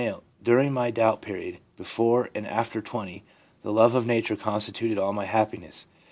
* During my doubt period (before and after 20), the love of nature constituted all my happiness.